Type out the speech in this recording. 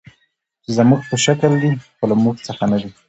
چې زموږ په شکل دي، خو له موږ څخه نه دي.